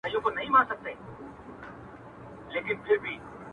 ضمیر غواړم چي احساس د سلګو راوړي,